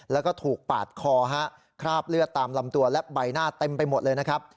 แล้วก็ถูกปาดคอฮะคราบเลือดตามลำตัวและใบหน้าเต็มไปหมดเลยนะครับ